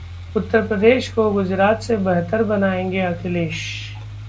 उत्तर प्रदेश को गुजरात से बेहतर बनाएंगे अखिलेश